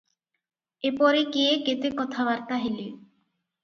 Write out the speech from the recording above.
ଏପରି କିଏ କେତେ କଥାବାର୍ତ୍ତା ହେଲେ ।